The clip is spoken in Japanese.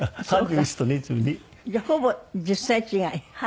じゃあほぼ１０歳違い？